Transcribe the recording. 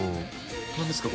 何ですか？